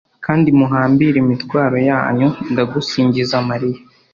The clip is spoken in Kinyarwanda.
kandi muhambire imitwaro yanyu ndagusingiza mariya